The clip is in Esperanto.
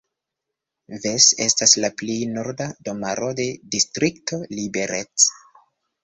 Ves estas la plej norda domaro de distrikto Liberec.